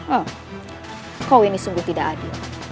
oh kau ini sungguh tidak adil